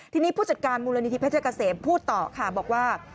ทีนี้ผู้จัดการมูลนิธิเพชรเกษมพูดต่อค่ะบอกว่า